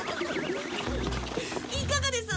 いかがです？